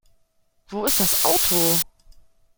Wo ist das Auto?